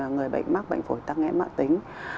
người bệnh mắc bệnh phổi tắc nghẽ mã tính